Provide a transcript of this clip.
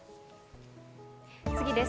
次です。